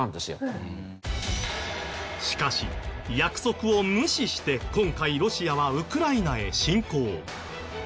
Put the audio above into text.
しかし約束を無視して今回ロシアはウクライナへ侵攻。